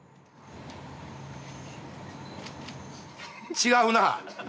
違うな。